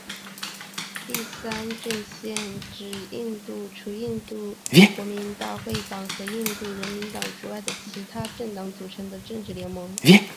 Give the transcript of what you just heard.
第三阵线指印度除印度国民大会党和印度人民党之外的其它政党组成的政治联盟。